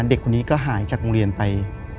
เด็กคนนี้ก็หายจากโรงเรียนไป